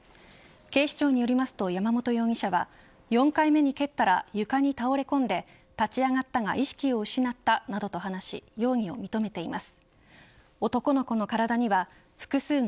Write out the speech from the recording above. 警視庁によりますと山本容疑者は４回目に蹴ったら床に倒れ込んで立ち上がったが意識を失ったなどと話し容疑を認めています。